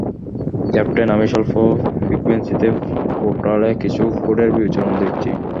Captain, আমি স্বল্প ফ্রিকোয়েন্সিতে পোর্টালে কিছু কোডের বিচরণ দেখছি!